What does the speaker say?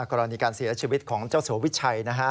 กรณีการเสียชีวิตของเจ้าสัววิชัยนะฮะ